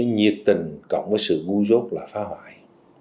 nhiệt tình cộng với sự ngu dốt là phá hoại